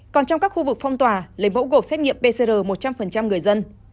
còn trong các khu vực phong tỏa lấy mẫu gộp xét nghiệm pcr một trăm linh người dân